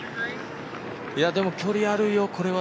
でも距離あるよこれは。